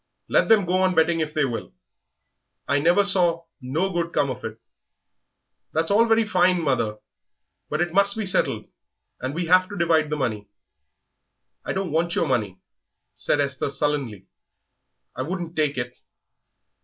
Let them go on betting if they will; I never saw no good come of it." "That's all very fine, mother; but it must be settled, and we have to divide the money." "I don't want your money," said Esther, sullenly; "I wouldn't take it."